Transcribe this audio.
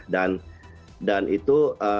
dan dan itu